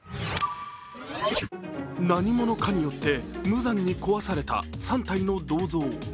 何者かによって無残に壊された３体の銅像。